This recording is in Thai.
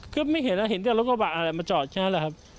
คือไม่เห็นเห็นแต่รถกระบะอะไรมาจอดใช่ไหมครับ